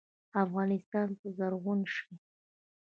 افغانستان به زرغون شي؟